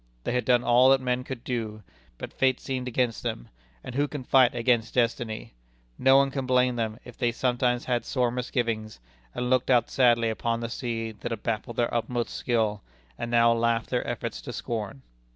They had done all that men could do. But fate seemed against them; and who can fight against destiny? No one can blame them if they sometimes had sore misgivings, and looked out sadly upon the sea that had baffled their utmost skill, and now laughed their efforts to scorn.